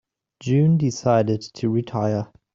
June decided to retire.